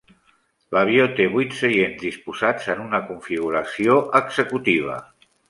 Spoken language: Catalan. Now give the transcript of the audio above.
L'avió té vuit seients disposats en una configuració executiva.